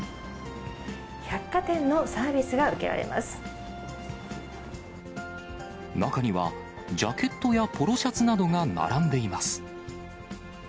百貨店のサービスが受けられ中には、ジャケットやポロシャツなどが並んでいます。